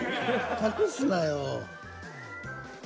隠すなよ。